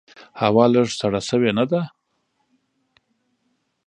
هوا لږ سړه سوي نده؟